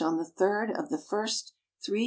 on the third of the first 3 ch.